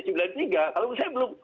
kalau menurut saya belum